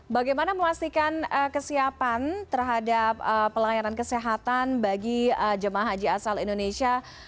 bagaimana memastikan kesiapan terhadap pelayanan kesehatan bagi jemaah haji asal indonesia